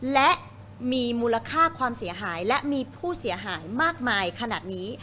และมีมูลค่าความเสียหายและมีผู้เสียหายมากมายขนาดนี้